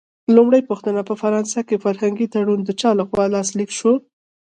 لومړۍ پوښتنه: په فرانسه کې فرهنګي تړون د چا له خوا لاسلیک شو؟